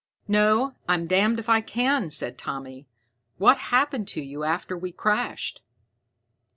"No, I'm damned if I can," said Tommy. "What happened to you after we crashed?"